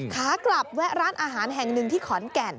ขากลับแวะร้านอาหารแห่งหนึ่งที่ขอนแก่น